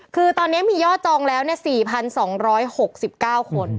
คือตอนนี้มียอดจองแล้ว๔๒๖๙คน